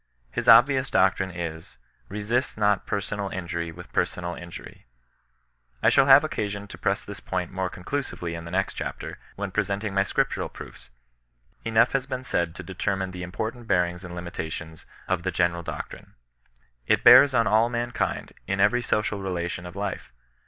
His obvious doctrine is :— Besist not persorud injury with persomd injwry, I shall have occasion to press this point more condusively in the next chapter, when presenting my Scriptural proofs. Enough has been said to deter mine the important bearings and limitations of the gene ral doctrine. It bears on all mankind, in every social relation of life.